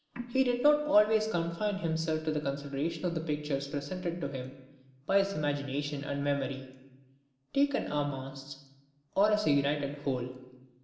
He did not always confine himself to the consideration of the pictures presented to him by his imagination and memory, taken en masse, or as a united whole.